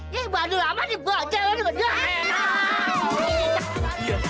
iya ibadah lama dibawa cewek juga